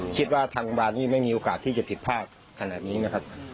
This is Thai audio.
คิดว่าทางบาร์นี่ไม่มีโอกาสที่จะผิดพลาดขนาดนี้นะครับ